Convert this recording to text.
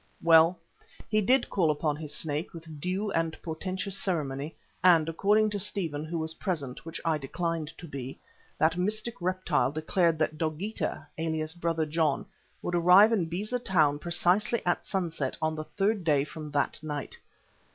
Well, he did call upon his Snake with due and portentous ceremony and, according to Stephen, who was present, which I declined to be, that mystic reptile declared that Dogeetah, alias Brother John, would arrive in Beza Town precisely at sunset on the third day from that night.